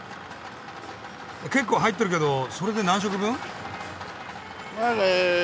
結構入ってるけどそれで何食分？